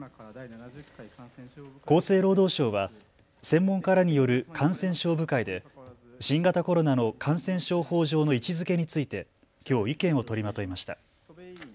厚生労働省は専門家らによる感染症部会で新型コロナの感染症法上の位置づけについてきょう意見を取りまとめました。